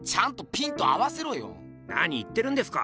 何言ってるんですか！